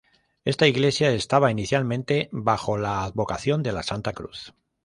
Esta iglesia estaba inicialmente bajo la advocación de la Santa Cruz.